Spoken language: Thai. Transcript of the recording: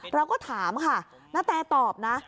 เราก็ถามค่ะณแตตอบนะ